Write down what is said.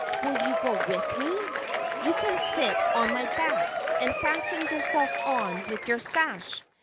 Will you go with me? You can sit on my back, and fasten yourself on with your sash.